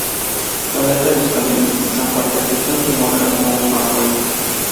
Las letras de sus canciones expresan fuerte actitud y humor relacionados con la política.